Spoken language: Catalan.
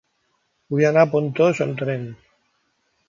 Vull anar a Pontós amb tren.